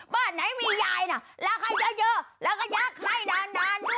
บ้านไหนมียายน่ะรักให้เยอะแล้วก็ยากให้นานด้วย